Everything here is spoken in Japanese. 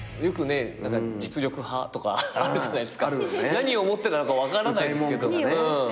何をもってなのか分からないっすけど。